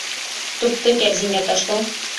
Тупты кәрзингә ташлау